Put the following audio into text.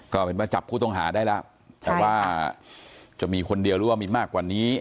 ก็เห็นว่าจับผู้ต้องหาได้แล้วแต่ว่าจะมีคนเดียวหรือว่ามีมากกว่านี้